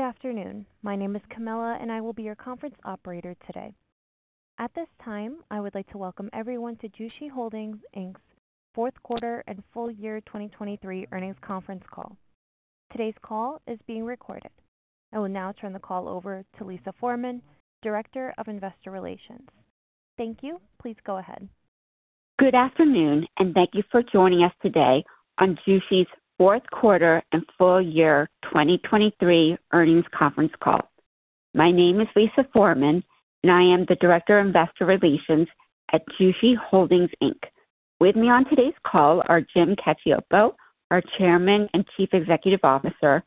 Good afternoon. My name is Camilla, and I will be your conference operator today. At this time, I would like to welcome everyone to Jushi Holdings, Inc.'s fourth quarter and full year 2023 earnings conference call. Today's call is being recorded. I will now turn the call over to Lisa Forman, Director of Investor Relations. Thank you. Please go ahead. Good afternoon, and thank you for joining us today on Jushi's fourth quarter and full year 2023 earnings conference call. My name is Lisa Forman, and I am the Director of Investor Relations at Jushi Holdings, Inc. With me on today's call are Jim Cacioppo, our Chairman and Chief Executive Officer,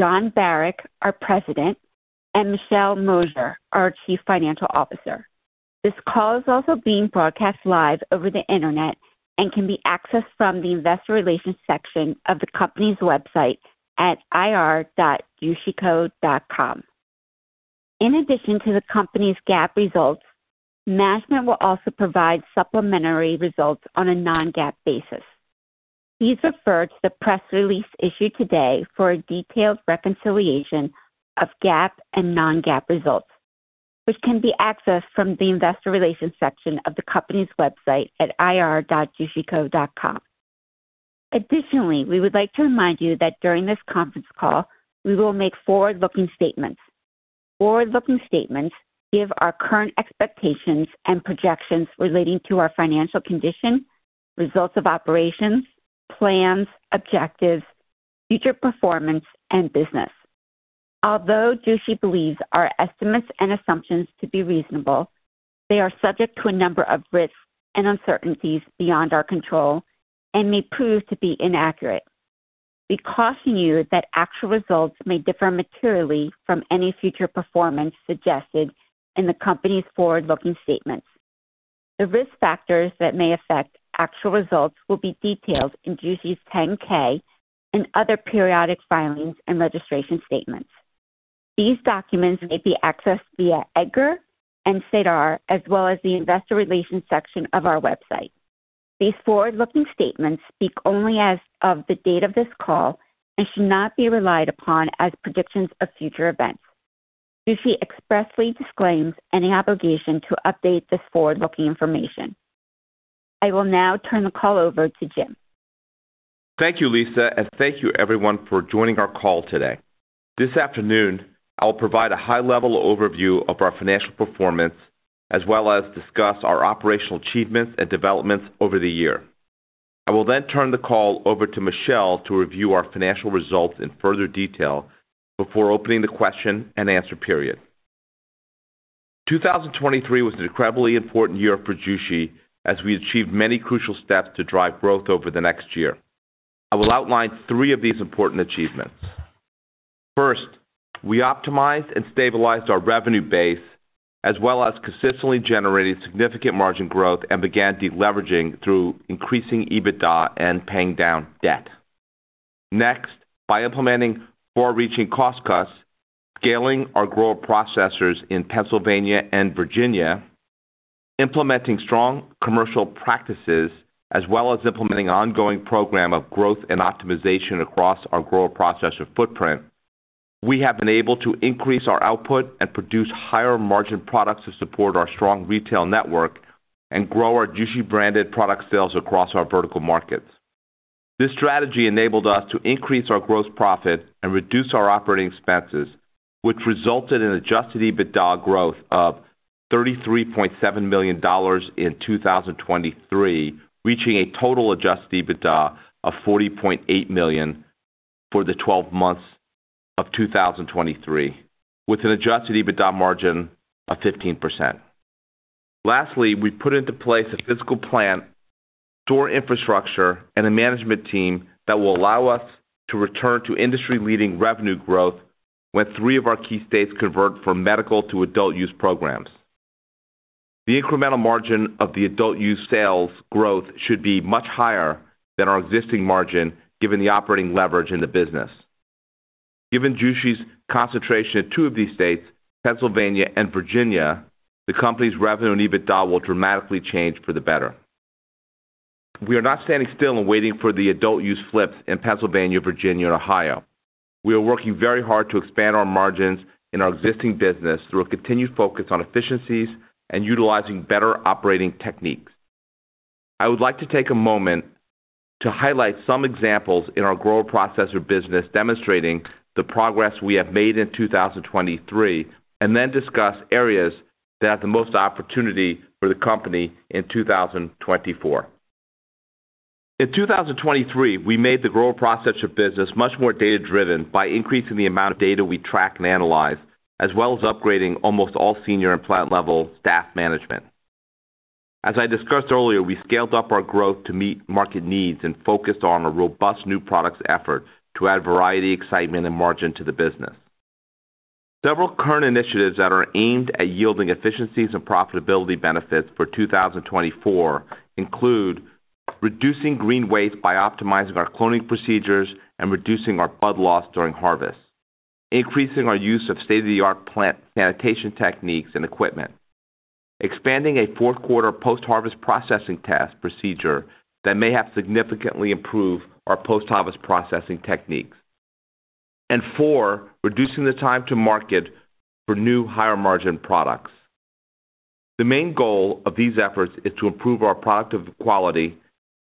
Jon Barack, our President, and Michelle Mosier, our Chief Financial Officer. This call is also being broadcast live over the internet and can be accessed from the investor relations section of the company's website at ir.jushico.com. In addition to the company's GAAP results, management will also provide supplementary results on a non-GAAP basis. Please refer to the press release issued today for a detailed reconciliation of GAAP and non-GAAP results, which can be accessed from the Investor Relations section of the company's website at ir.jushico.com. Additionally, we would like to remind you that during this conference call, we will make forward-looking statements. Forward-looking statements give our current expectations and projections relating to our financial condition, results of operations, plans, objectives, future performance, and business. Although Jushi believes our estimates and assumptions to be reasonable, they are subject to a number of risks and uncertainties beyond our control and may prove to be inaccurate. We caution you that actual results may differ materially from any future performance suggested in the company's forward-looking statements. The risk factors that may affect actual results will be detailed in Jushi's 10-K and other periodic filings and registration statements. These documents may be accessed via EDGAR and SEDAR, as well as the Investor Relations section of our website. These forward-looking statements speak only as of the date of this call and should not be relied upon as predictions of future events. Jushi expressly disclaims any obligation to update this forward-looking information. I will now turn the call over to Jim. Thank you, Lisa, and thank you everyone for joining our call today. This afternoon, I will provide a high-level overview of our financial performance, as well as discuss our operational achievements and developments over the year. I will then turn the call over to Michelle to review our financial results in further detail before opening the question and answer period. 2023 was an incredibly important year for Jushi as we achieved many crucial steps to drive growth over the next year. I will outline three of these important achievements. First, we optimized and stabilized our revenue base, as well as consistently generated significant margin growth and began deleveraging through increasing EBITDA and paying down debt. Next, by implementing far-reaching cost cuts, scaling our grower processors in Pennsylvania and Virginia, implementing strong commercial practices, as well as implementing ongoing program of growth and optimization across our grower processor footprint, we have been able to increase our output and produce higher-margin products to support our strong retail network and grow our Jushi-branded product sales across our vertical markets. This strategy enabled us to increase our gross profit and reduce our operating expenses, which resulted in Adjusted EBITDA growth of $33.7 million in 2023, reaching a total Adjusted EBITDA of $40.8 million for the twelve months of 2023, with an Adjusted EBITDA margin of 15%. Lastly, we put into place a physical plan, store infrastructure, and a management team that will allow us to return to industry-leading revenue growth when three of our key states convert from medical to adult use programs. The incremental margin of the adult use sales growth should be much higher than our existing margin, given the operating leverage in the business. Given Jushi's concentration in two of these states, Pennsylvania and Virginia, the company's revenue and EBITDA will dramatically change for the better. We are not standing still and waiting for the adult use flip in Pennsylvania, Virginia, and Ohio. We are working very hard to expand our margins in our existing business through a continued focus on efficiencies and utilizing better operating techniques. I would like to take a moment to highlight some examples in our grower processor business, demonstrating the progress we have made in 2023, and then discuss areas that have the most opportunity for the company in 2024. In 2023, we made the grower processor business much more data-driven by increasing the amount of data we track and analyze, as well as upgrading almost all senior and plant-level staff management. As I discussed earlier, we scaled up our growth to meet market needs and focused on a robust new products effort to add variety, excitement, and margin to the business. Several current initiatives that are aimed at yielding efficiencies and profitability benefits for 2024 include: reducing green waste by optimizing our cloning procedures and reducing our bud loss during harvest, increasing our use of state-of-the-art plant sanitation techniques and equipment, expanding a fourth quarter post-harvest processing task procedure that may have significantly improved our post-harvest processing techniques. And four, reducing the time to market for new higher-margin products. The main goal of these efforts is to improve our product of quality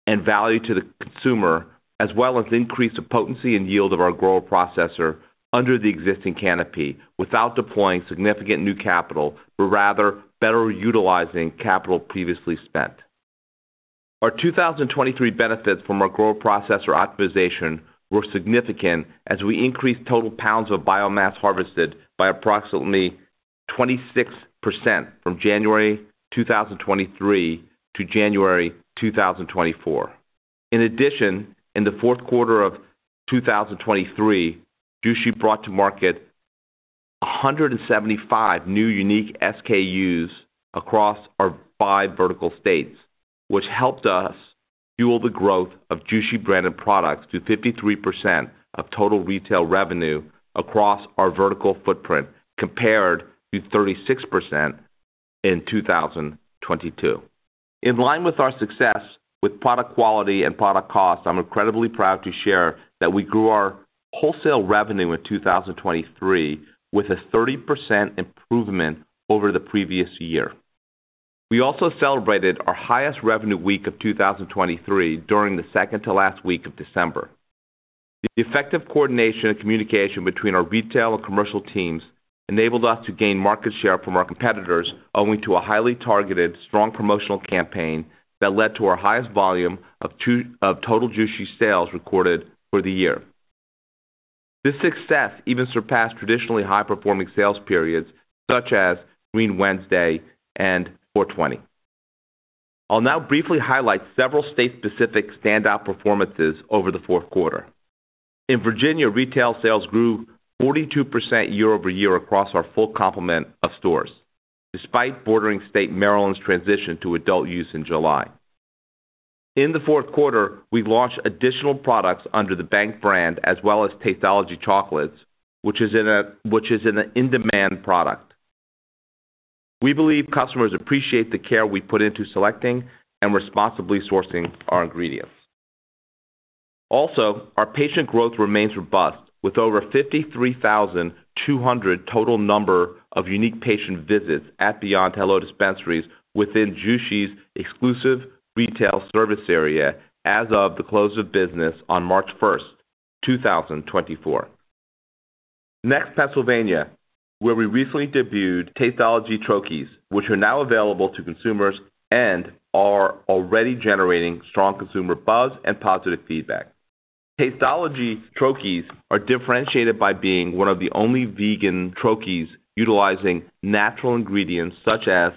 and value to the consumer, as well as increase the potency and yield of our grower-processor under the existing canopy, without deploying significant new capital, but rather better utilizing capital previously spent. Our 2023 benefits from our grow processor optimization were significant as we increased total pounds of biomass harvested by approximately 26% from January 2023 to January 2024. In addition, in the fourth quarter of 2023, Jushi brought to market 175 new unique SKUs across our five vertical states, which helped us fuel the growth of Jushi branded products to 53% of total retail revenue across our vertical footprint, compared to 36% in 2022. In line with our success with product quality and product cost, I'm incredibly proud to share that we grew our wholesale revenue in 2023 with a 30% improvement over the previous year. We also celebrated our highest revenue week of 2023 during the second to last week of December. The effective coordination and communication between our retail and commercial teams enabled us to gain market share from our competitors, owing to a highly targeted, strong promotional campaign that led to our highest volume of total Jushi sales recorded for the year. This success even surpassed traditionally high-performing sales periods, such as Green Wednesday and 4/20. I'll now briefly highlight several state-specific standout performances over the fourth quarter. In Virginia, retail sales grew 42% year-over-year across our full complement of stores, despite bordering state Maryland's transition to adult use in July. In the fourth quarter, we launched additional products under The Bank brand, as well as Tasteology Chocolates, which is in an in-demand product. We believe customers appreciate the care we put into selecting and responsibly sourcing our ingredients. Also, our patient growth remains robust, with over 53,200 total number of unique patient visits at Beyond Hello dispensaries within Jushi's exclusive retail service area as of the close of business on March 1, 2024. Next, Pennsylvania, where we recently debuted Tasteology Troches, which are now available to consumers and are already generating strong consumer buzz and positive feedback. Tasteology Troches are differentiated by being one of the only vegan troches utilizing natural ingredients such as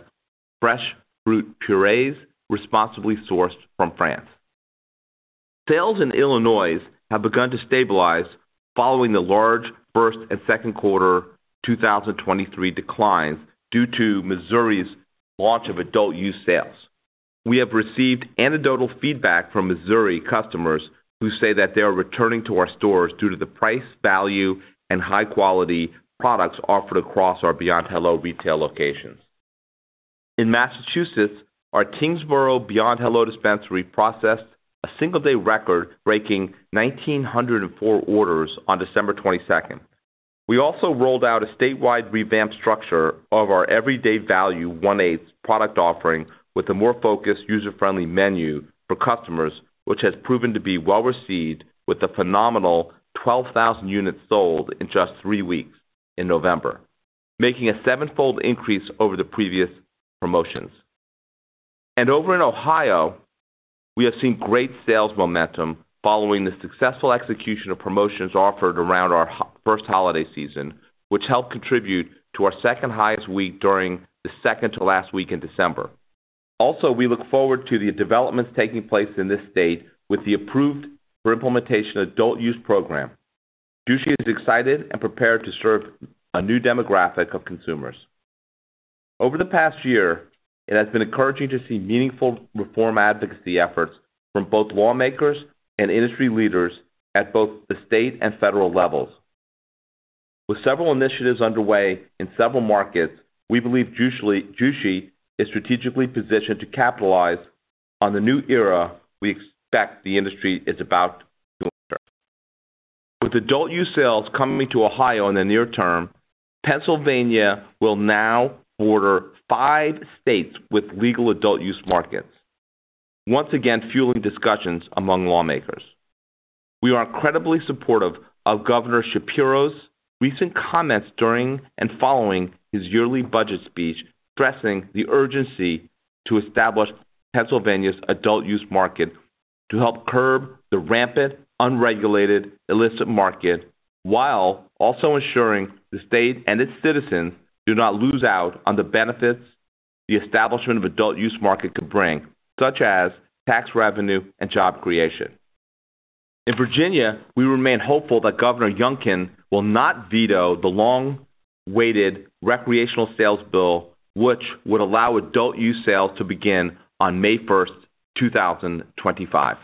fresh fruit purees, responsibly sourced from France. Sales in Illinois have begun to stabilize following the large first and second quarter 2023 declines due to Missouri's launch of adult-use sales. We have received anecdotal feedback from Missouri customers who say that they are returning to our stores due to the price, value, and high-quality products offered across our Beyond Hello retail locations. In Massachusetts, our Tyngsborough Beyond Hello dispensary processed a single-day record, breaking 1,904 orders on December 22nd. We also rolled out a statewide revamped structure of our Everyday Value one-eighth product offering with a more focused, user-friendly menu for customers, which has proven to be well-received, with a phenomenal 12,000 units sold in just 3 weeks in November, making a 7-fold increase over the previous promotions. Over in Ohio, we have seen great sales momentum following the successful execution of promotions offered around our first holiday season, which helped contribute to our second-highest week during the second to last week in December. We look forward to the developments taking place in this state with the approved for implementation adult-use program. Jushi is excited and prepared to serve a new demographic of consumers. Over the past year, it has been encouraging to see meaningful reform advocacy efforts from both lawmakers and industry leaders at both the state and federal levels. With several initiatives underway in several markets, we believe Jushi is strategically positioned to capitalize on the new era we expect the industry is about to enter. With adult-use sales coming to Ohio in the near term, Pennsylvania will now border five states with legal adult-use markets, once again, fueling discussions among lawmakers. We are incredibly supportive of Governor Shapiro's recent comments during and following his yearly budget speech, stressing the urgency to establish Pennsylvania's adult-use market to help curb the rampant, unregulated, illicit market, while also ensuring the state and its citizens do not lose out on the benefits the establishment of adult-use market could bring, such as tax revenue and job creation. In Virginia, we remain hopeful that Governor Youngkin will not veto the long-awaited recreational sales bill, which would allow adult-use sales to begin on May 1, 2025.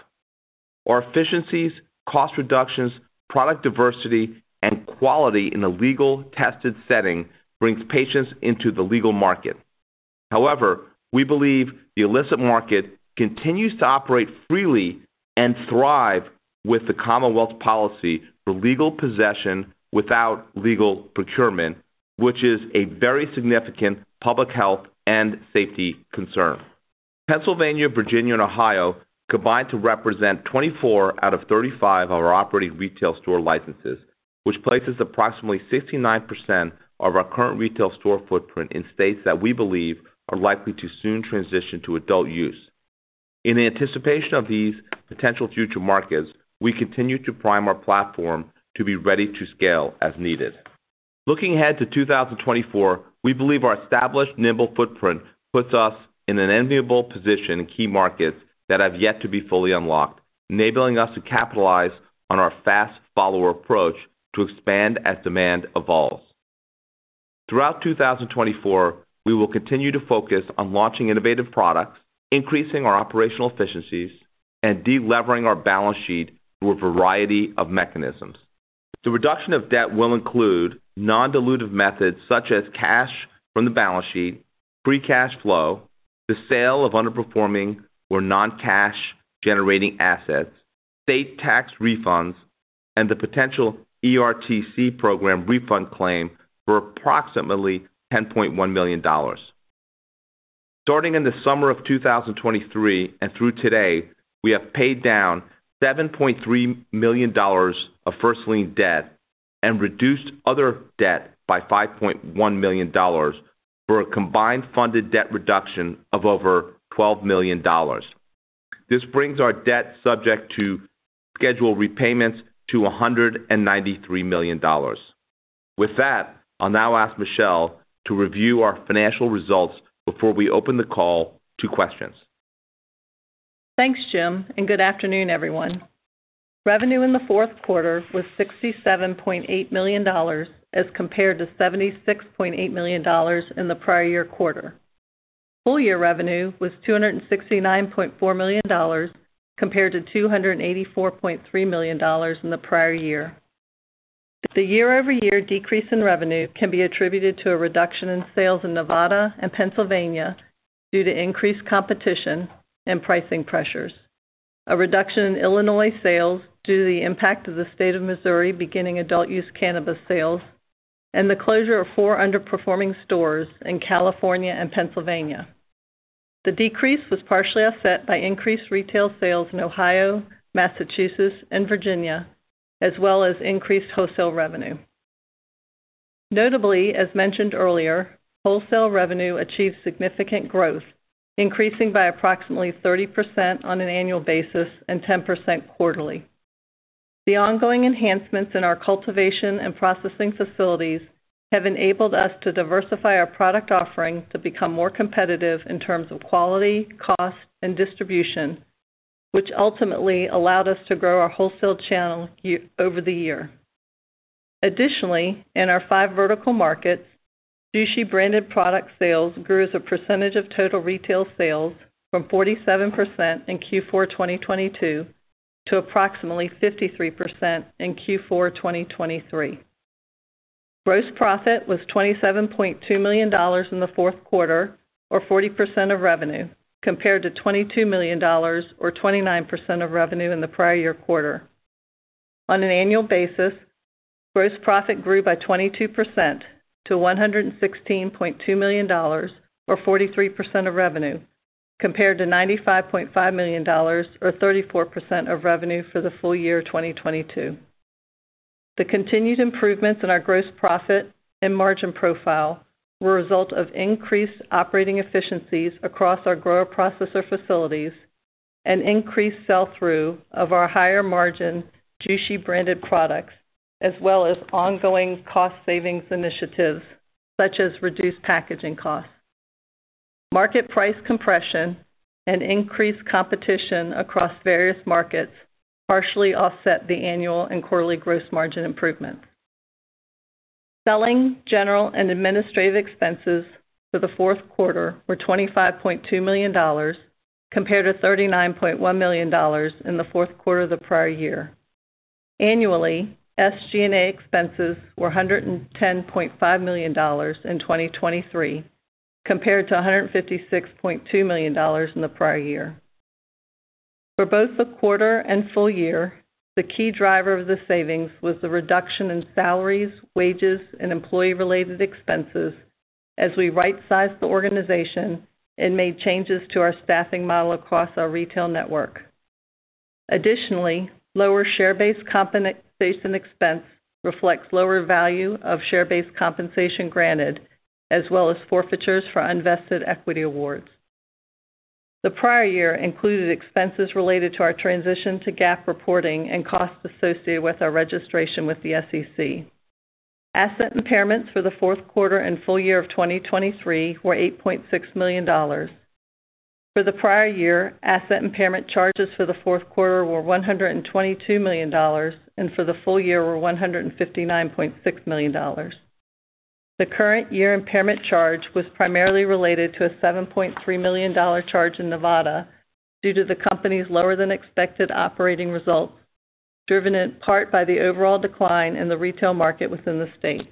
Our efficiencies, cost reductions, product diversity, and quality in a legal tested setting brings patients into the legal market. However, we believe the illicit market continues to operate freely and thrive with the Commonwealth policy for legal possession without legal procurement, which is a very significant public health and safety concern. Pennsylvania, Virginia, and Ohio combine to represent 24 out of 35 of our operating retail store licenses, which places approximately 69% of our current retail store footprint in states that we believe are likely to soon transition to adult use. In anticipation of these potential future markets, we continue to prime our platform to be ready to scale as needed. Looking ahead to 2024, we believe our established nimble footprint puts us in an enviable position in key markets that have yet to be fully unlocked, enabling us to capitalize on our fast follower approach to expand as demand evolves. Throughout 2024, we will continue to focus on launching innovative products, increasing our operational efficiencies, and delevering our balance sheet through a variety of mechanisms. The reduction of debt will include non-dilutive methods such as cash from the balance sheet, free cash flow, the sale of underperforming or non-cash generating assets, state tax refunds, and the potential ERTC program refund claim for approximately $10.1 million. Starting in the summer of 2023 and through today, we have paid down $7.3 million of first lien debt and reduced other debt by $5.1 million, for a combined funded debt reduction of over $12 million. This brings our debt subject to scheduled repayments to $193 million. With that, I'll now ask Michelle to review our financial results before we open the call to questions. Thanks, Jim, and good afternoon, everyone. Revenue in the fourth quarter was $67.8 million, as compared to $76.8 million in the prior year quarter. Full year revenue was $269.4 million, compared to $284.3 million in the prior year. The year-over-year decrease in revenue can be attributed to a reduction in sales in Nevada and Pennsylvania due to increased competition and pricing pressures, a reduction in Illinois sales due to the impact of the state of Missouri beginning adult-use cannabis sales, and the closure of four underperforming stores in California and Pennsylvania. The decrease was partially offset by increased retail sales in Ohio, Massachusetts, and Virginia, as well as increased wholesale revenue. Notably, as mentioned earlier, wholesale revenue achieved significant growth, increasing by approximately 30% on an annual basis and 10% quarterly. The ongoing enhancements in our cultivation and processing facilities have enabled us to diversify our product offering to become more competitive in terms of quality, cost, and distribution, which ultimately allowed us to grow our wholesale channel over the year. Additionally, in our five vertical markets, Jushi branded product sales grew as a percentage of total retail sales from 47% in Q4 2022 to approximately 53% in Q4 2023. Gross profit was $27.2 million in the fourth quarter, or 40% of revenue, compared to $22 million, or 29% of revenue in the prior year quarter. On an annual basis, gross profit grew by 22% to $116.2 million, or 43% of revenue, compared to $95.5 million, or 34% of revenue for the full year 2022. The continued improvements in our gross profit and margin profile were a result of increased operating efficiencies across our grower processor facilities and increased sell-through of our higher-margin Jushi branded products, as well as ongoing cost savings initiatives, such as reduced packaging costs. Market price compression and increased competition across various markets partially offset the annual and quarterly gross margin improvements. Selling, general, and administrative expenses for the fourth quarter were $25.2 million, compared to $39.1 million in the fourth quarter of the prior year. Annually, SG&A expenses were $110.5 million in 2023, compared to $156.2 million in the prior year. For both the quarter and full year, the key driver of the savings was the reduction in salaries, wages, and employee-related expenses as we right-sized the organization and made changes to our staffing model across our retail network. Additionally, lower share-based compensation expense reflects lower value of share-based compensation granted, as well as forfeitures for unvested equity awards. The prior year included expenses related to our transition to GAAP reporting and costs associated with our registration with the SEC. Asset impairments for the fourth quarter and full year of 2023 were $8.6 million. For the prior year, asset impairment charges for the fourth quarter were $122 million, and for the full year were $159.6 million. The current year impairment charge was primarily related to a $7.3 million charge in Nevada due to the company's lower-than-expected operating results, driven in part by the overall decline in the retail market within the state.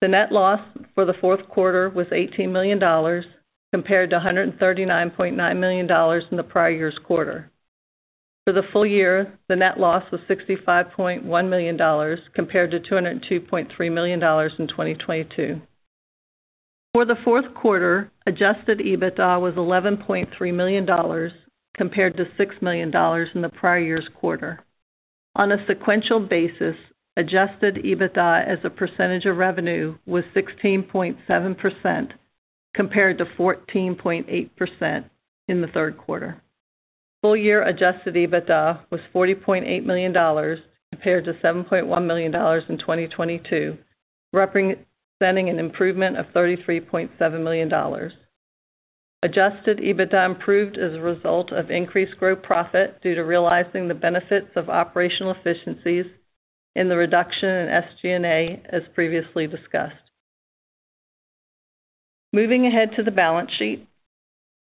The net loss for the fourth quarter was $18 million, compared to $139.9 million in the prior year's quarter. For the full year, the net loss was $65.1 million, compared to $202.3 million in 2022. For the fourth quarter, Adjusted EBITDA was $11.3 million, compared to $6 million in the prior year's quarter. On a sequential basis, Adjusted EBITDA as a percentage of revenue was 16.7%, compared to 14.8% in the third quarter. Full-year adjusted EBITDA was $40.8 million, compared to $7.1 million in 2022, representing an improvement of $33.7 million. Adjusted EBITDA improved as a result of increased gross profit due to realizing the benefits of operational efficiencies and the reduction in SG&A, as previously discussed. Moving ahead to the balance sheet.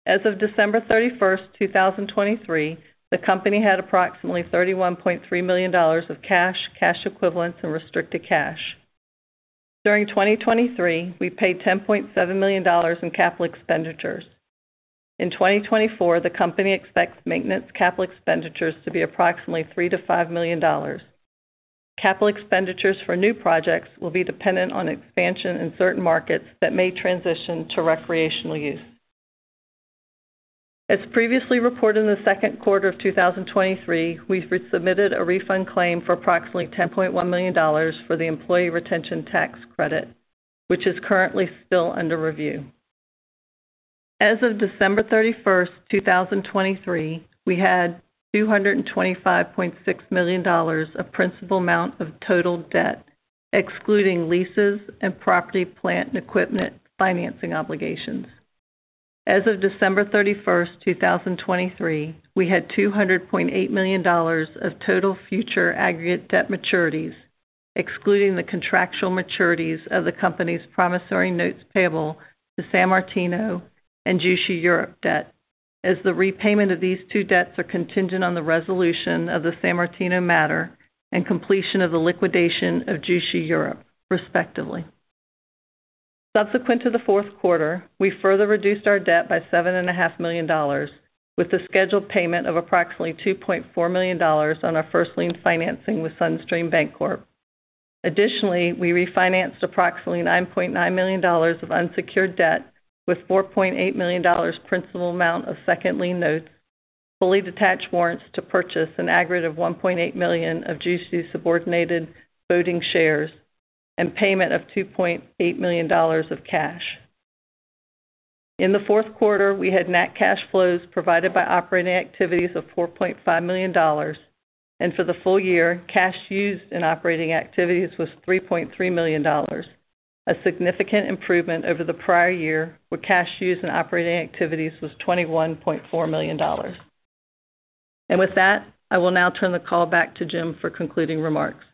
As of December 31, 2023, the company had approximately $31.3 million of cash, cash equivalents, and restricted cash. During 2023, we paid $10.7 million in capital expenditures. In 2024, the company expects maintenance capital expenditures to be approximately $3-$5 million. Capital expenditures for new projects will be dependent on expansion in certain markets that may transition to recreational use. As previously reported in the second quarter of 2023, we've submitted a refund claim for approximately $10.1 million for the Employee Retention Tax Credit, which is currently still under review. As of December 31, 2023, we had $225.6 million of principal amount of total debt, excluding leases and property, plant, and equipment financing obligations. As of December 31, 2023, we had $200.8 million of total future aggregate debt maturities, excluding the contractual maturities of the company's promissory notes payable to Sammartino and Jushi Europe debt, as the repayment of these two debts are contingent on the resolution of the Sammartino matter and completion of the liquidation of Jushi Europe, respectively. Subsequent to the fourth quarter, we further reduced our debt by $7.5 million, with the scheduled payment of approximately $2.4 million on our first lien financing with Sunstream Bancorp. Additionally, we refinanced approximately $9.9 million of unsecured debt, with $4.8 million principal amount of second lien notes, fully detached warrants to purchase an aggregate of $1.8 million of Jushi subordinated voting shares, and payment of $2.8 million of cash. In the fourth quarter, we had net cash flows provided by operating activities of $4.5 million, and for the full year, cash used in operating activities was $3.3 million, a significant improvement over the prior year, where cash used in operating activities was $21.4 million. With that, I will now turn the call back to Jim for concluding remarks.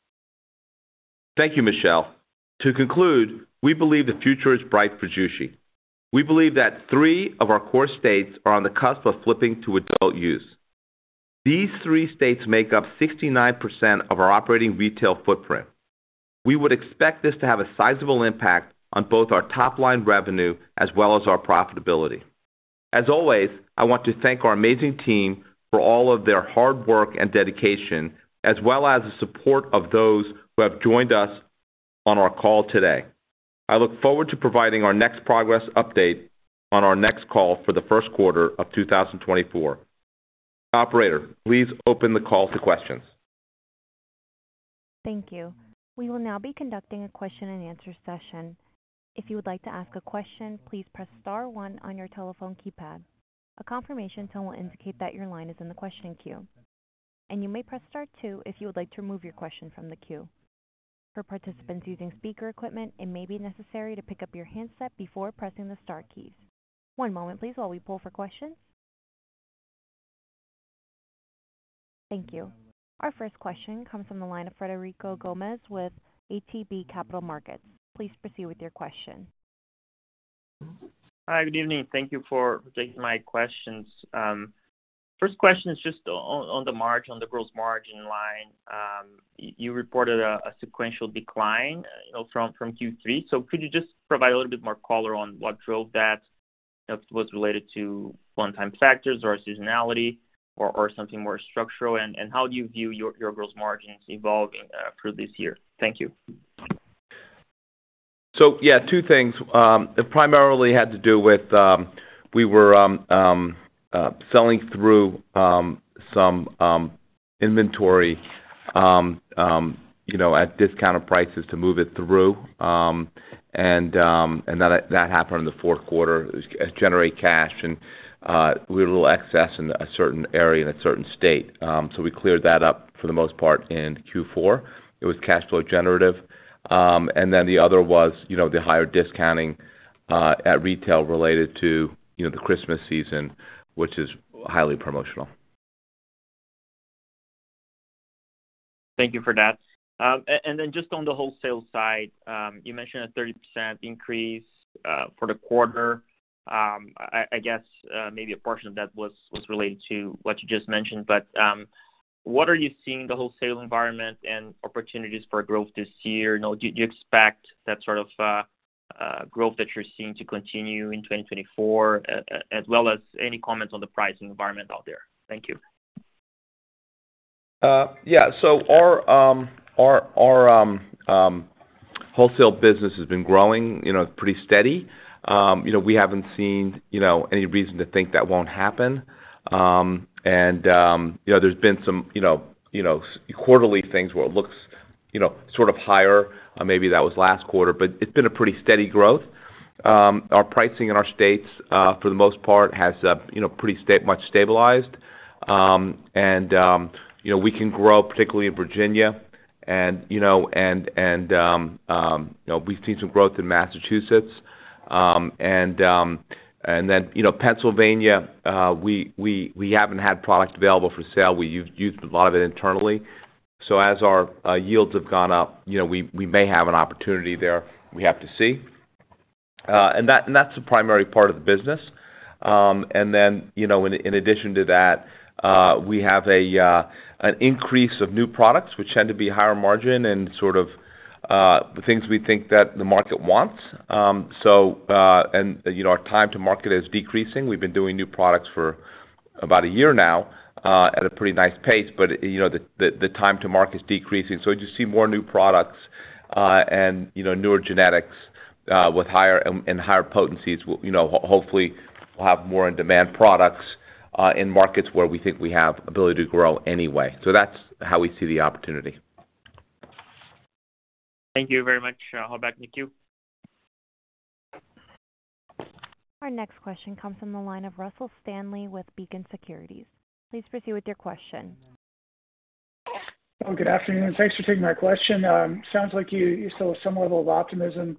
Thank you, Michelle. To conclude, we believe the future is bright for Jushi. We believe that 3 of our core states are on the cusp of flipping to adult use. These 3 states make up 69% of our operating retail footprint. We would expect this to have a sizable impact on both our top-line revenue as well as our profitability. As always, I want to thank our amazing team for all of their hard work and dedication, as well as the support of those who have joined us on our call today. I look forward to providing our next progress update on our next call for the first quarter of 2024. Operator, please open the call to questions. Thank you. We will now be conducting a question-and-answer session. If you would like to ask a question, please press star one on your telephone keypad. A confirmation tone will indicate that your line is in the question queue, and you may press star two if you would like to remove your question from the queue. For participants using speaker equipment, it may be necessary to pick up your handset before pressing the star keys. One moment, please, while we pull for questions. Thank you. Our first question comes from the line of Frederico Gomes with ATB Capital Markets. Please proceed with your question. Hi, good evening. Thank you for taking my questions. First question is just on, on the margin, on the gross margin line. You reported a, a sequential decline, you know, from, from Q3. So could you just provide a little bit more color on what drove that? If it was related to one-time factors, or seasonality, or, or something more structural, and, and how do you view your, your gross margins evolving through this year? Thank you. So yeah, two things. It primarily had to do with we were selling through some inventory, you know, at discounted prices to move it through. And that happened in the fourth quarter, it generate cash, and we had a little excess in a certain area in a certain state. So we cleared that up for the most part in Q4. It was cash flow generative. And then the other was, you know, the higher discounting at retail related to, you know, the Christmas season, which is highly promotional. Thank you for that. And then just on the wholesale side, you mentioned a 30% increase for the quarter. I guess maybe a portion of that was related to what you just mentioned, but what are you seeing in the wholesale environment and opportunities for growth this year? You know, do you expect that sort of growth that you're seeing to continue in 2024, as well as any comments on the pricing environment out there? Thank you. Yeah. So our wholesale business has been growing, you know, pretty steady. You know, we haven't seen, you know, any reason to think that won't happen. You know, there's been some, you know, quarterly things where it looks, you know, sort of higher. Maybe that was last quarter, but it's been a pretty steady growth. Our pricing in our states, for the most part, has, you know, pretty stable, much stabilized. You know, we can grow, particularly in Virginia, and, you know, and we've seen some growth in Massachusetts. You know, Pennsylvania, we haven't had product available for sale. We used a lot of it internally. So as our yields have gone up, you know, we may have an opportunity there. We have to see. And that's a primary part of the business. And then, you know, in addition to that, we have an increase of new products, which tend to be higher margin and sort of the things we think that the market wants. So, and, you know, our time to market is decreasing. We've been doing new products for about a year now, at a pretty nice pace, but, you know, the time to market is decreasing. So as you see more new products and, you know, newer genetics with higher and higher potencies, you know, hopefully we'll have more in-demand products in markets where we think we have ability to grow anyway. So that's how we see the opportunity. Thank you very much. I'll hop back in the queue. Our next question comes from the line of Russell Stanley with Beacon Securities. Please proceed with your question. Good afternoon. Thanks for taking my question. Sounds like you saw some level of optimism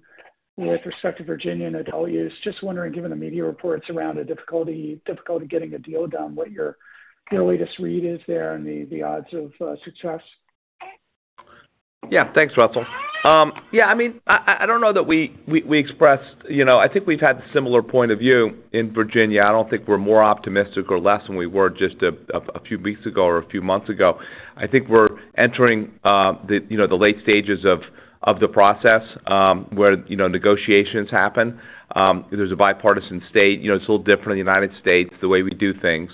with respect to Virginia and adult use. Just wondering, given the media reports around the difficulty getting a deal done, what your latest read is there and the odds of success? Yeah. Thanks, Russell. Yeah, I mean, I don't know that we expressed... You know, I think we've had a similar point of view in Virginia. I don't think we're more optimistic or less than we were just a few weeks ago or a few months ago. I think we're entering the, you know, the late stages of the process, where, you know, negotiations happen. There's a bipartisan state. You know, it's a little different in the United States, the way we do things.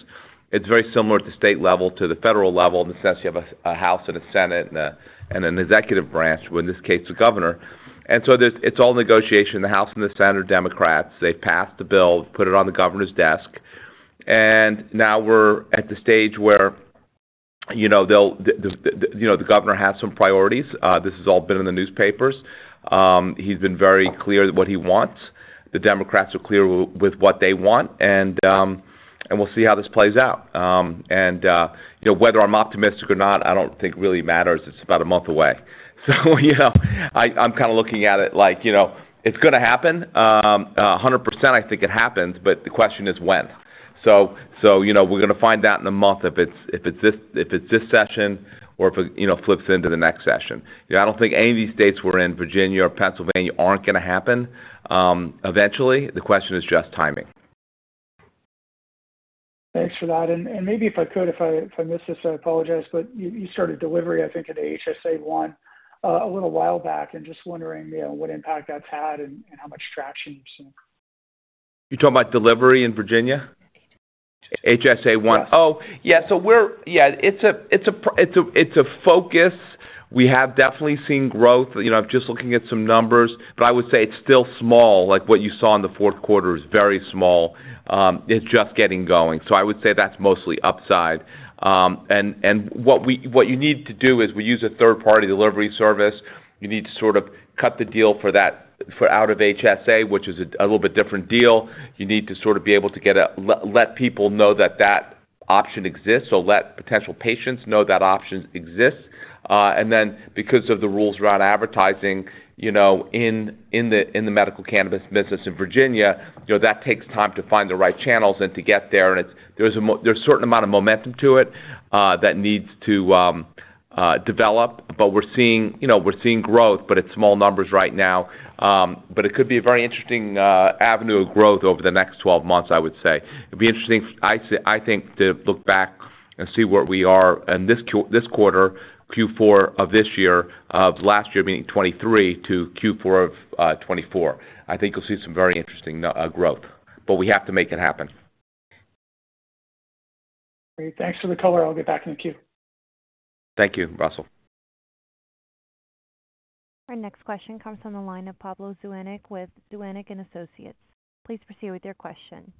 It's very similar at the state level to the federal level, in the sense you have a House and a Senate and an executive branch, where in this case, the governor. And so there's, it's all negotiation. The House and the Senate are Democrats. They've passed the bill, put it on the governor's desk, and now we're at the stage where, you know, they'll, you know, the governor has some priorities. This has all been in the newspapers. He's been very clear what he wants. The Democrats are clear with what they want, and we'll see how this plays out. You know, whether I'm optimistic or not, I don't think really matters. It's about a month away. So, you know, I'm kind of looking at it like, you know, it's gonna happen. 100%, I think it happens, but the question is when? So, you know, we're gonna find out in a month if it's this session or if it, you know, flips into the next session. You know, I don't think any of these states we're in, Virginia or Pennsylvania, aren't gonna happen, eventually. The question is just timing. Thanks for that, and maybe if I missed this, I apologize, but you started delivery, I think, at HSA I a little while back, and just wondering, you know, what impact that's had and how much traction you've seen. You talking about delivery in Virginia? HSA. HSA One. Yes. Yeah, it's a focus. We have definitely seen growth. You know, I'm just looking at some numbers, but I would say it's still small. Like, what you saw in the fourth quarter is very small. It's just getting going. So I would say that's mostly upside. And what you need to do is we use a third-party delivery service. You need to sort of cut the deal for that, for out of HSA, which is a little bit different deal. You need to sort of be able to get a let people know that that option exists or let potential patients know that option exists. And then because of the rules around advertising, you know, in the medical cannabis business in Virginia, you know, that takes time to find the right channels and to get there, and it's, there's a certain amount of momentum to it, that needs to develop. But we're seeing, you know, we're seeing growth, but it's small numbers right now. But it could be a very interesting avenue of growth over the next 12 months, I would say. It'd be interesting, I'd say, I think, to look back and see where we are in this quarter, Q4 of this year, of last year being 2023, to Q4 of 2024. I think you'll see some very interesting growth, but we have to make it happen. Great. Thanks for the color. I'll get back in the queue. Thank you, Russell. Our next question comes from the line of Pablo Zuanic with Zuanic and Associates. Please proceed with your question.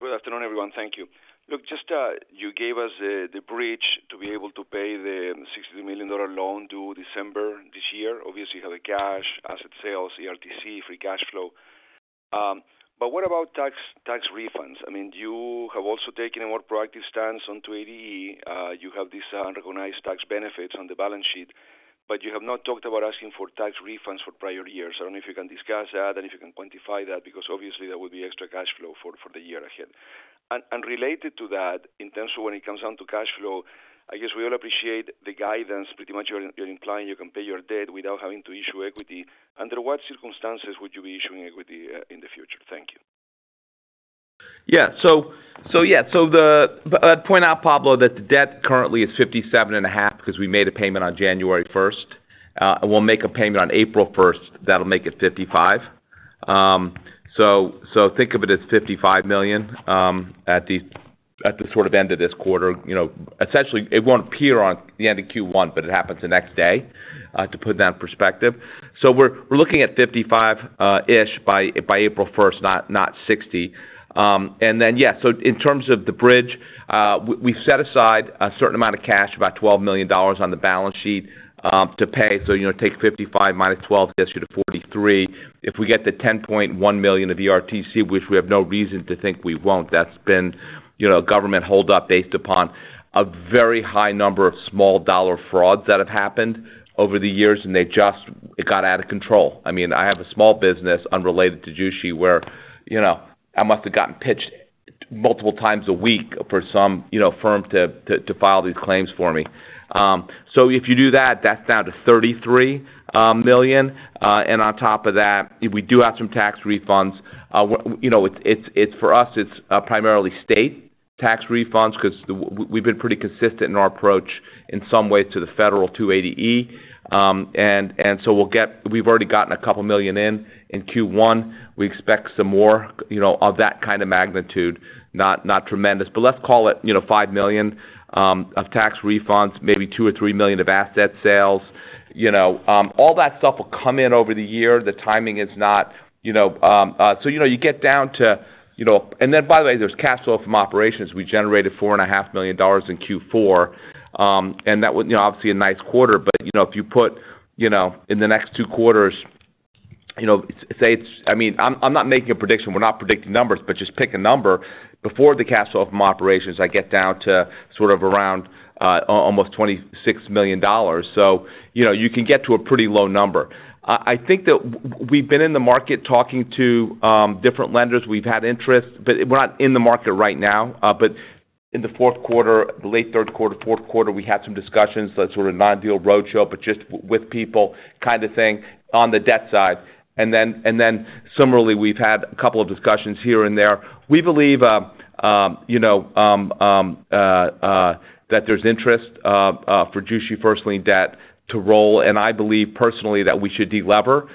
Good afternoon, everyone. Thank you. Look, just, you gave us the, the bridge to be able to pay the $63 million loan due December this year. Obviously, you have the cash, asset sales, ERTC, free cash flow. But what about tax, tax refunds? I mean, you have also taken a more proactive stance on 280E. You have these, unrecognized tax benefits on the balance sheet but you have not talked about asking for tax refunds for prior years. I don't know if you can discuss that, and if you can quantify that, because obviously there will be extra cash flow for, the year ahead. And related to that, in terms of when it comes down to cash flow, I guess we all appreciate the guidance. Pretty much you're implying you can pay your debt without having to issue equity. Under what circumstances would you be issuing equity in the future? Thank you. Yeah. So yeah, so the-- I'd point out, Pablo, that the debt currently is $57.5 million, because we made a payment on January first. And we'll make a payment on April first, that'll make it 55. So think of it as $55 million, at the sort of end of this quarter. You know, essentially, it won't appear on the end of Q1, but it happens the next day, to put that in perspective. So we're looking at 55 ish by April first, not 60. And then, yeah, so in terms of the bridge, we've set aside a certain amount of cash, about $12 million on the balance sheet, to pay. So, you know, take 55 minus 12 gets you to 43. If we get the $10.1 million of ERTC, which we have no reason to think we won't, that's been, you know, government hold up based upon a very high number of small dollar frauds that have happened over the years, and they just it got out of control. I mean, I have a small business unrelated to Jushi, where, you know, I must have gotten pitched multiple times a week for some, you know, firm to file these claims for me. So if you do that, that's down to $33 million, and on top of that, we do have some tax refunds. You know, it's, it's, for us, it's primarily state tax refunds, 'cause we've been pretty consistent in our approach in some way to the federal 280E. So we'll get—we've already gotten a couple million in Q1. We expect some more, you know, of that kind of magnitude, not tremendous. But let's call it, you know, $5 million of tax refunds, maybe $2-$3 million of asset sales. You know, all that stuff will come in over the year. The timing is not, you know, so, you know, you get down to, you know. And then, by the way, there's cash flow from operations. We generated $4.5 million in Q4, and that was, you know, obviously a nice quarter. But, you know, if you put, you know, in the next two quarters, you know, say it's—I mean, I'm not making a prediction. We're not predicting numbers, but just pick a number. Before the cash flow from operations, I get down to sort of around almost $26 million. So, you know, you can get to a pretty low number. I think that we've been in the market talking to different lenders. We've had interest, but we're not in the market right now. But in the fourth quarter, the late third quarter, fourth quarter, we had some discussions, that sort of non-deal roadshow, but just with people kind of thing on the debt side. And then similarly, we've had a couple of discussions here and there. We believe, you know, that there's interest for Jushi first lien debt to roll, and I believe personally that we should delever.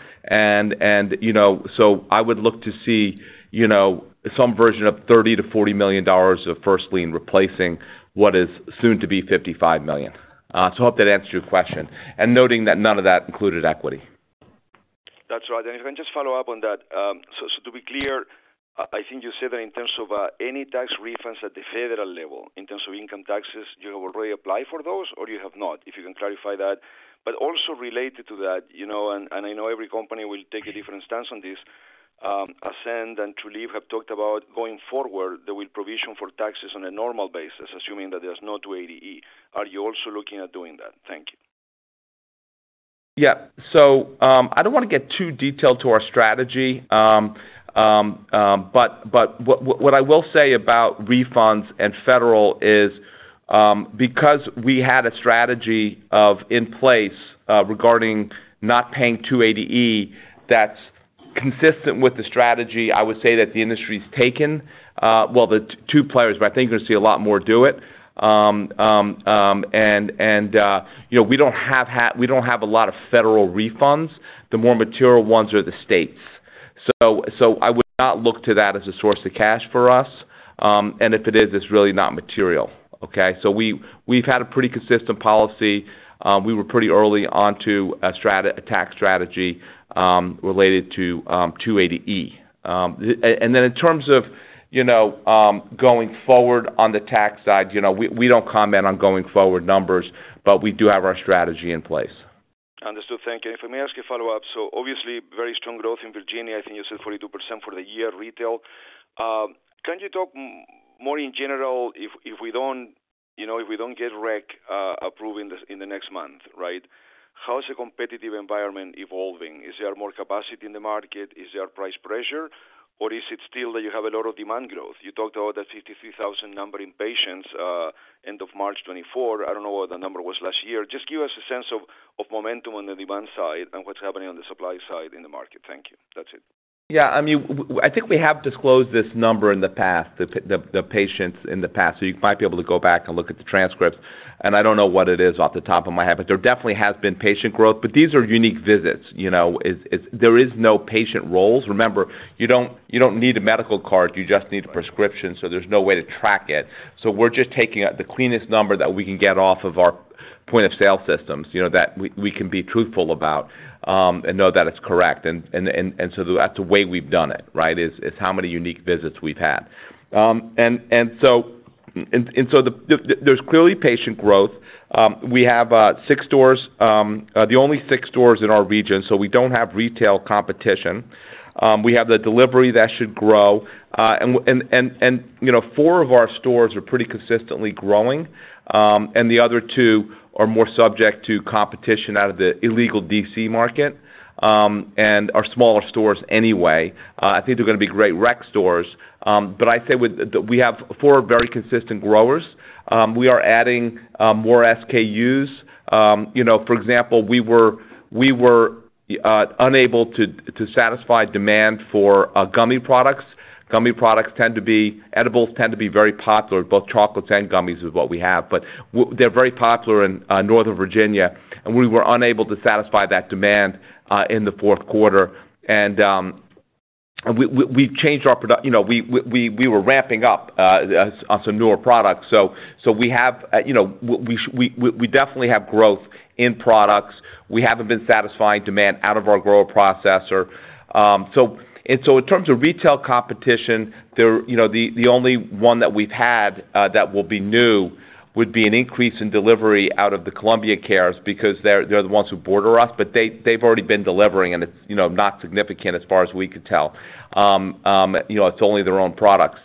you know, so I would look to see, you know, some version of $30-$40 million of first lien replacing what is soon to be $55 million. So I hope that answers your question, and noting that none of that included equity. That's right. And if I can just follow up on that. So to be clear, I think you said that in terms of any tax refunds at the federal level, in terms of income taxes, you have already applied for those, or you have not? If you can clarify that. But also related to that, you know, and I know every company will take a different stance on this, Ascend and Trulieve have talked about going forward, they will provision for taxes on a normal basis, assuming that there's no 280E. Are you also looking at doing that? Thank you. Yeah. So, I don't want to get too detailed to our strategy. But what I will say about refunds and federal is, because we had a strategy in place regarding not paying 280E, that's consistent with the strategy. I would say that the industry's taken, well, the two players, but I think you'll see a lot more do it. And, you know, we don't have a lot of federal refunds. The more material ones are the states. So I would not look to that as a source of cash for us, and if it is, it's really not material, okay? So we, we've had a pretty consistent policy. We were pretty early onto a tax strategy related to 280E. And then in terms of, you know, going forward on the tax side, you know, we don't comment on going forward numbers, but we do have our strategy in place. Understood. Thank you. If I may ask you a follow-up. So obviously, very strong growth in Virginia. I think you said 42% for the year retail. Can you talk more in general, if we don't, you know, if we don't get rec approved in the next month, right? How is the competitive environment evolving? Is there more capacity in the market? Is there price pressure, or is it still that you have a lot of demand growth? You talked about the 53,000 number in patients end of March 2024. I don't know what the number was last year. Just give us a sense of momentum on the demand side and what's happening on the supply side in the market. Thank you. That's it. Yeah, I mean, I think we have disclosed this number in the past, the patients in the past, so you might be able to go back and look at the transcripts. And I don't know what it is off the top of my head, but there definitely has been patient growth. But these are unique visits, you know, it's there is no patient rolls. Remember, you don't, you don't need a medical card, you just need a prescription, so there's no way to track it. So we're just taking out the cleanest number that we can get off of our point-of-sale systems, you know, that we can be truthful about and know that it's correct. And so that's the way we've done it, right? It's how many unique visits we've had. There's clearly patient growth. We have six stores, the only six stores in our region, so we don't have retail competition. We have the delivery that should grow. And you know, four of our stores are pretty consistently growing. And the other two are more subject to competition out of the illegal D.C. market, and are smaller stores anyway. I think they're gonna be great rec stores. But I'd say that we have four very consistent growers. We are adding more SKUs. You know, for example, we were unable to satisfy demand for gummy products. Gummy products tend to be edibles tend to be very popular, both chocolates and gummies is what we have. But they're very popular in Northern Virginia, and we were unable to satisfy that demand in the fourth quarter. And we've changed our product. You know, we were ramping up on some newer products. So we have, you know, we definitely have growth in products. We haven't been satisfying demand out of our grower processor. So in terms of retail competition, you know, the only one that we've had that will be new would be an increase in delivery out of the Columbia Care, because they're the ones who border us, but they've already been delivering, and it's, you know, not significant as far as we could tell. You know, it's only their own products.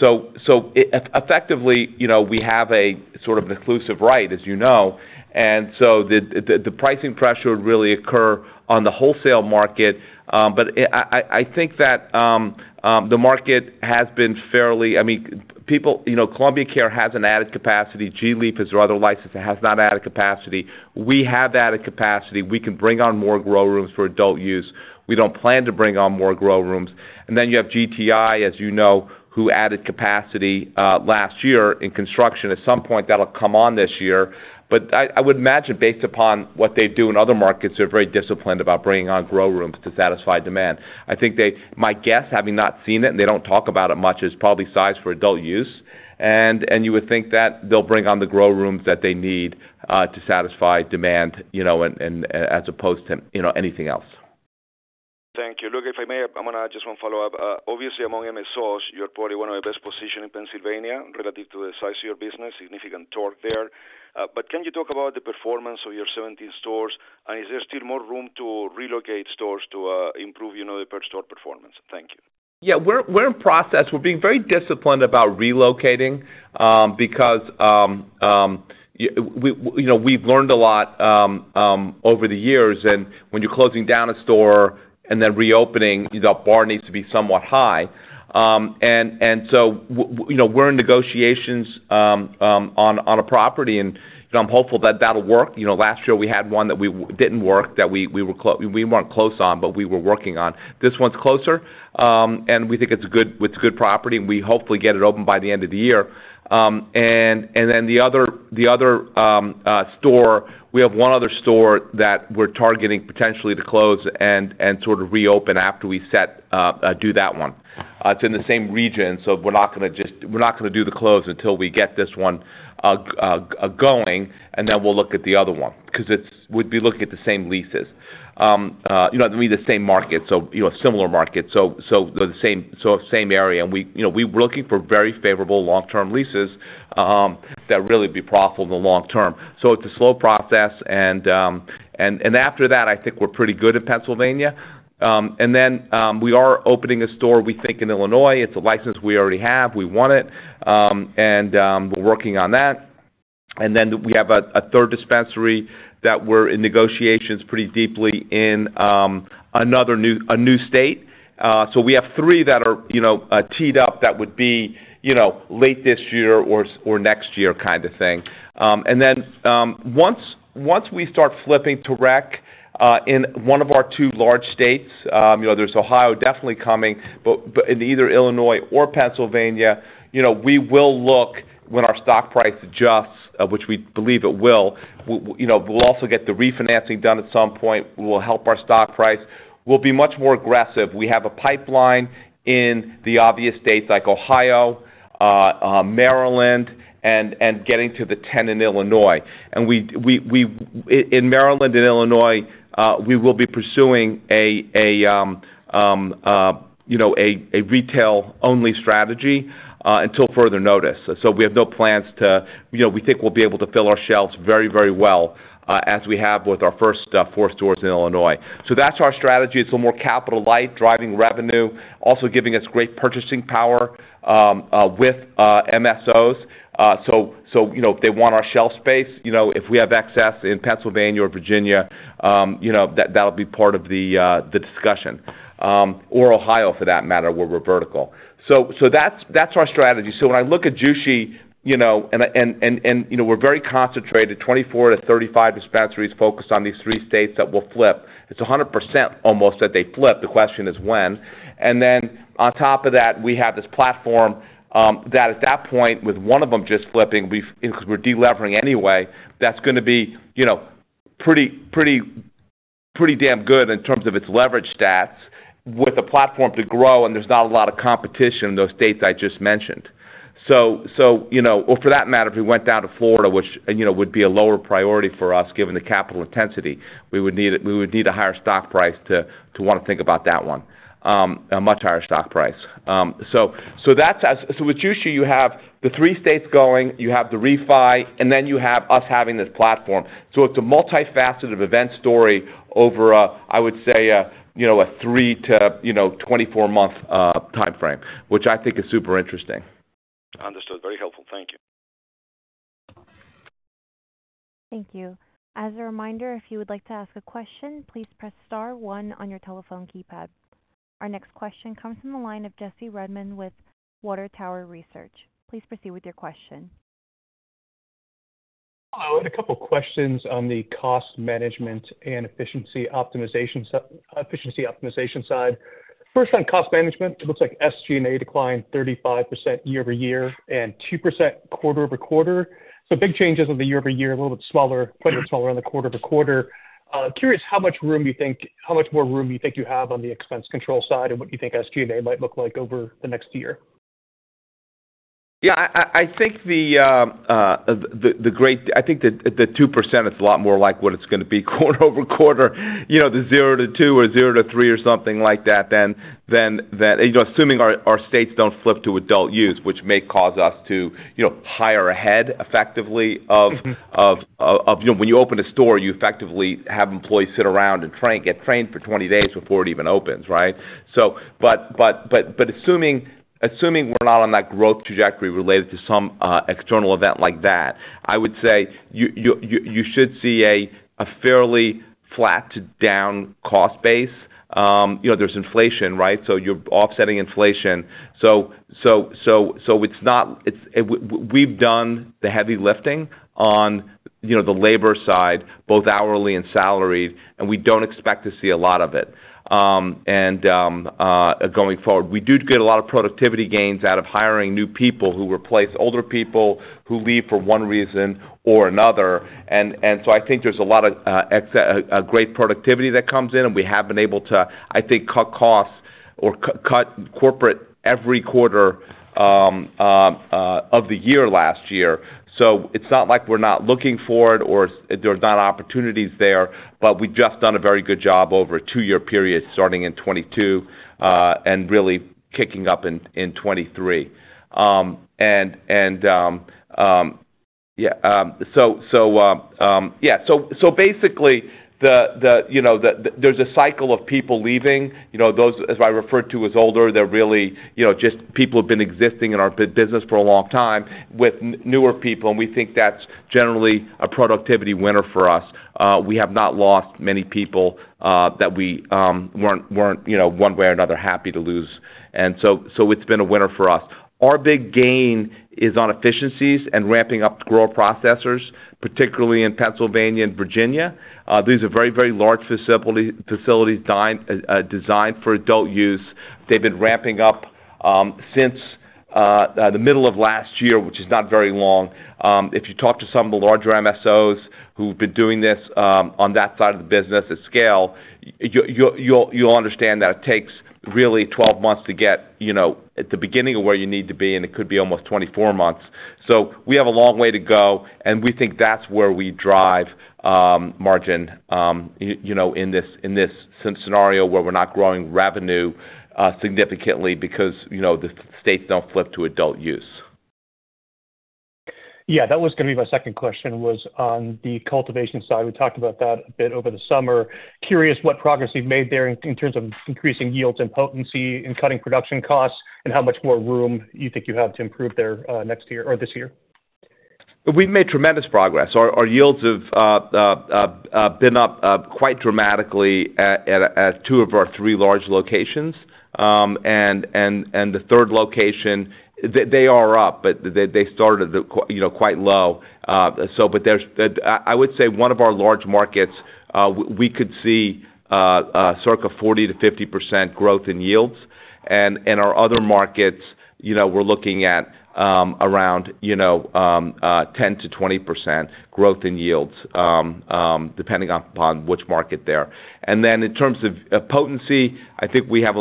So, effectively, you know, we have a sort of inclusive right, as you know, and so the pricing pressure would really occur on the wholesale market. But I think that the market has been fairly... I mean, people, you know, Columbia Care hasn't added capacity. gLeaf is our other license, it has not added capacity. We have added capacity. We can bring on more grow rooms for adult use. We don't plan to bring on more grow rooms. And then you have GTI, as you know, who added capacity last year in construction. At some point, that'll come on this year. But I would imagine, based upon what they do in other markets, they're very disciplined about bringing on grow rooms to satisfy demand. I think they... My guess, having not seen it, and they don't talk about it much, is probably sized for adult use. You would think that they'll bring on the grow rooms that they need to satisfy demand, you know, and as opposed to, you know, anything else. Thank you. Look, if I may, I'm gonna add just one follow-up. Obviously, among MSOs, you're probably one of the best positioned in Pennsylvania relative to the size of your business, significant torque there. But can you talk about the performance of your 17 stores? And is there still more room to relocate stores to improve, you know, the per store performance? Thank you. Yeah, we're in process. We're being very disciplined about relocating, because you know, we've learned a lot over the years, and when you're closing down a store and then reopening, the bar needs to be somewhat high. And so you know, we're in negotiations on a property, and you know, I'm hopeful that that'll work. You know, last year we had one that didn't work, that we weren't close on, but we were working on. This one's closer, and we think it's a good property, and we hopefully get it open by the end of the year. And then the other store, we have one other store that we're targeting potentially to close and sort of reopen after we do that one. It's in the same region, so we're not gonna just- we're not gonna do the close until we get this one going, and then we'll look at the other one, because it's- we'd be looking at the same leases. You know, I mean, the same market, so you know, a similar market, so the same, sort of same area. And we, you know, we're looking for very favorable long-term leases that really would be profitable in the long term. So it's a slow process, and after that, I think we're pretty good in Pennsylvania. And then, we are opening a store, we think, in Illinois. It's a license we already have. We want it, and we're working on that. And then we have a third dispensary that we're in negotiations pretty deeply in, another new state. So we have three that are, you know, teed up that would be, you know, late this year or next year kind of thing. And then, once we start flipping to rec, in one of our two large states, you know, there's Ohio definitely coming, but in either Illinois or Pennsylvania, you know, we will look when our stock price adjusts, which we believe it will. You know, we'll also get the refinancing done at some point, will help our stock price. We'll be much more aggressive. We have a pipeline in the obvious states like Ohio, Maryland, and getting to the 10 in Illinois. In Maryland and Illinois, we will be pursuing a retail-only strategy, you know, until further notice. So we have no plans to... You know, we think we'll be able to fill our shelves very, very well, as we have with our first 4 stores in Illinois. So that's our strategy. It's a more capital light, driving revenue, also giving us great purchasing power with MSOs. So, you know, if they want our shelf space, you know, if we have excess in Pennsylvania or Virginia, you know, that, that'll be part of the discussion, or Ohio, for that matter, where we're vertical. So that's our strategy. So when I look at Jushi, you know, and I, and, and, you know, we're very concentrated, 24-35 dispensaries focused on these three states that will flip. It's almost 100% that they flip. The question is when. And then on top of that, we have this platform that at that point, with one of them just flipping, we've because we're delevering anyway, that's gonna be, you know, pretty, pretty, pretty damn good in terms of its leverage stats, with a platform to grow, and there's not a lot of competition in those states I just mentioned. So, you know, or for that matter, if we went down to Florida, which, you know, would be a lower priority for us, given the capital intensity, we would need a higher stock price to want to think about that one, a much higher stock price. So, so that's so with Jushi, you have the three states going, you have the refi, and then you have us having this platform. So it's a multifaceted event story over a, I would say, you know, a 3-24 month timeframe, which I think is super interesting. Understood. Very helpful. Thank you. Thank you. As a reminder, if you would like to ask a question, please press star one on your telephone keypad. Our next question comes from the line of Jesse Redmond with Water Tower Research. Please proceed with your question. Hello, and a couple questions on the cost management and efficiency optimization, efficiency optimization side. First, on cost management, it looks like SG&A declined 35% year-over-year and 2% quarter-over-quarter. So big changes on the year-over-year, a little bit smaller, quite a bit smaller on the quarter-over-quarter. Curious how much room you think, how much more room you think you have on the expense control side and what you think SG&A might look like over the next year? Yeah, I think the 2% is a lot more like what it's going to be quarter-over-quarter, you know, the 0%-2% or 0%-3% or something like that, than... You know, assuming our states don't flip to adult use, which may cause us to, you know, hire ahead effectively of- Mm-hmm. You know, when you open a store, you effectively have employees sit around and train, get trained for 20 days before it even opens, right? But assuming we're not on that growth trajectory related to some external event like that, I would say you should see a fairly flat to down cost base. You know, there's inflation, right? So it's not— we've done the heavy lifting on, you know, the labor side, both hourly and salaried, and we don't expect to see a lot of it going forward. We do get a lot of productivity gains out of hiring new people who replace older people who leave for one reason or another. So I think there's a lot of great productivity that comes in, and we have been able to, I think, cut costs or cut corporate every quarter of the year last year. So it's not like we're not looking for it or there's not opportunities there, but we've just done a very good job over a two-year period, starting in 2022, and really kicking up in 2023. So basically, you know, there's a cycle of people leaving, you know, those, as I refer to as older, they're really, you know, just people who've been existing in our business for a long time, with newer people, and we think that's generally a productivity winner for us. We have not lost many people that we weren't, you know, one way or another, happy to lose. And so it's been a winner for us. Our big gain is on efficiencies and ramping up grower processors, particularly in Pennsylvania and Virginia. These are very, very large facility, facilities designed for adult use. They've been ramping up since the middle of last year, which is not very long. If you talk to some of the larger MSOs who've been doing this on that side of the business at scale, you'll understand that it takes really 12 months to get, you know, at the beginning of where you need to be, and it could be almost 24 months. So we have a long way to go, and we think that's where we drive margin, you know, in this scenario where we're not growing revenue significantly because, you know, the states don't flip to adult use. Yeah, that was going to be my second question was on the cultivation side. We talked about that a bit over the summer. Curious what progress you've made there in terms of increasing yields and potency and cutting production costs, and how much more room you think you have to improve there, next year or this year? We've made tremendous progress. Our yields have been up quite dramatically at two of our three large locations. The third location, they are up, but they started, you know, quite low. I would say one of our large markets, we could see circa 40%-50% growth in yields. Our other markets, you know, we're looking at around 10%-20% growth in yields, depending upon which market there. Then in terms of potency, I think we have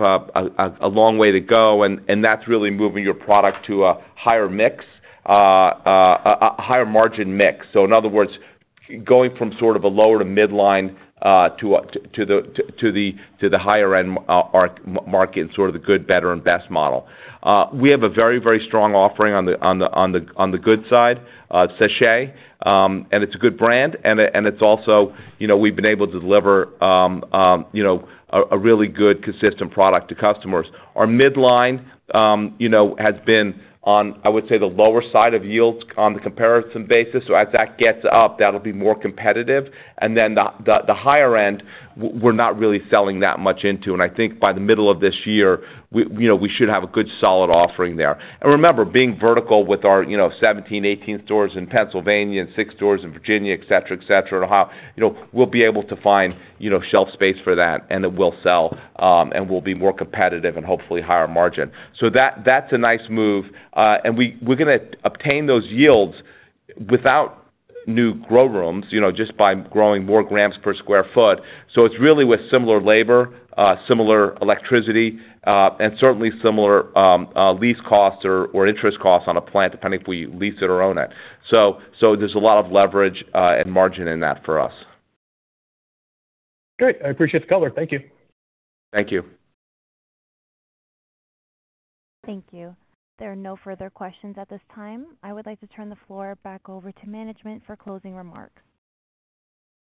a long way to go, and that's really moving your product to a higher mix, a higher margin mix. So in other words, going from sort of a lower to midline to the higher end market, and sort of the good, better, and best model. We have a very, very strong offering on the good side, SeCHe, and it's a good brand, and it's also, you know, we've been able to deliver, you know, a really good, consistent product to customers. Our midline, you know, has been on, I would say, the lower side of yields on the comparison basis. So as that gets up, that'll be more competitive. And then the higher end, we're not really selling that much into, and I think by the middle of this year, you know, we should have a good, solid offering there. And remember, being vertical with our, you know, 17, 18 stores in Pennsylvania and six stores in Virginia, et cetera, et cetera, in Ohio, you know, we'll be able to find, you know, shelf space for that, and it will sell, and we'll be more competitive and hopefully higher margin. So that, that's a nice move. And we're gonna obtain those yields without new grow rooms, you know, just by growing more grams per square foot. So it's really with similar labor, similar electricity, and certainly similar lease costs or interest costs on a plant, depending if we lease it or own it. So, there's a lot of leverage and margin in that for us. Great. I appreciate the color. Thank you. Thank you. Thank you. There are no further questions at this time. I would like to turn the floor back over to management for closing remarks.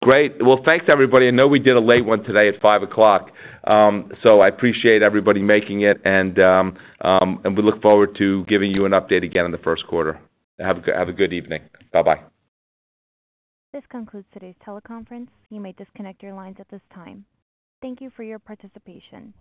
Great. Well, thanks, everybody. I know we did a late one today at 5:00 P.M. So I appreciate everybody making it, and we look forward to giving you an update again in the first quarter. Have a good evening. Bye-bye. This concludes today's teleconference. You may disconnect your lines at this time. Thank you for your participation.